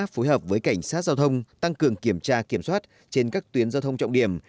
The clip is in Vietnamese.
phối hợp với cảnh sát giao thông tăng cường kiểm tra kiểm soát trên các tuyến giao thông trọng điểm